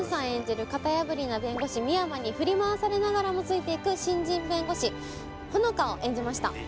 演じる型破りな弁護士深山に振り回されながらもついていく新人弁護士穂乃果を演じました